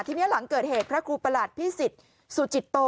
ทีนี้หลังเกิดเหตุพระครูประหลัดพิสิทธิ์สุจิตโต